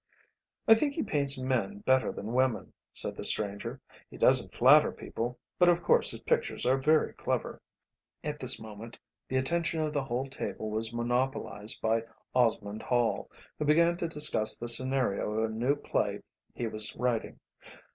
"I think he paints men better than women," said the stranger; "he doesn't flatter people, but of course his pictures are very clever." At this moment the attention of the whole table was monopolised by Osmond Hall, who began to discuss the scenario of a new play he was writing.